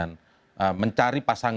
mencari pasangan untuk mencari keputusan ini